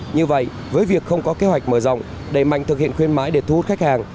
như vậy với việc không có kế hoạch mở rộng đẩy mạnh thực hiện khuyên mãi để thu hút khách hàng